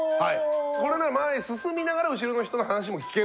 これなら前へ進みながら後ろの人の話も聞ける。